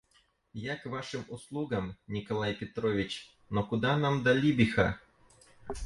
Я к вашим услугам, Николай Петрович; но куда нам до Либиха!